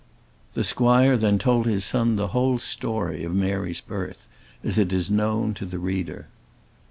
The squire then told his son the whole story of Mary's birth, as it is known to the reader.